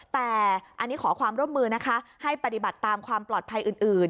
แต่อันนี้ขอความร่วมมือนะคะให้ปฏิบัติตามความปลอดภัยอื่น